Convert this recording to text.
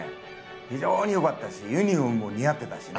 非常に良かったですしユニホームも似合ってたしね。